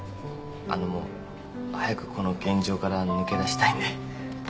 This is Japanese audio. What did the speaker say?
あの早くこの現状から抜け出したいんで。